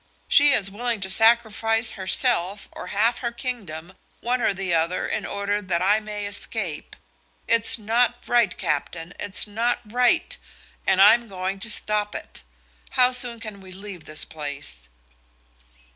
She is willing to sacrifice herself or half her kingdom, one or the other, in order that I may escape. It's not right, captain, it's not right, and I'm going to stop it. How soon can we leave this place?"